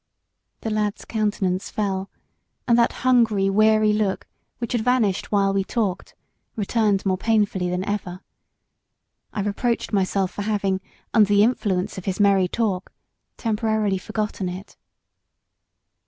The lad's countenance fell, and that hungry, weary look, which had vanished while we talked, returned more painfully than ever. I reproached myself for having, under the influence of his merry talk, temporarily forgotten it.